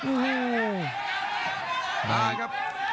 โอ่โฮ